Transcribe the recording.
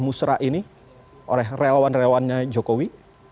musrah ini oleh relawan relawannya jokowi